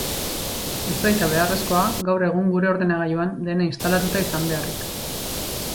Ez baita beharrezkoa gaur egun gure ordenagailuan dena instalatuta izan beaharrik.